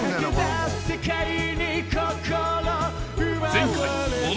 ［前回］